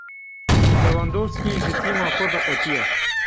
Lewandowski ji tîma xwe veqetiya.